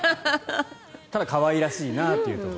ただ可愛らしいなというところ。